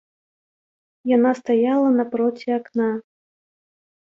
Яна стаяла напроці акна.